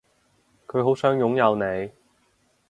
佢好想擁有你